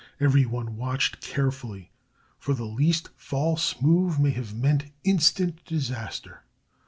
Everyone watched carefully, for the least false move may have meant instant disaster.